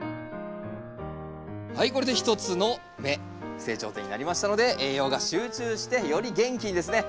はいこれで一つの芽成長点になりましたので栄養が集中してより元気にですね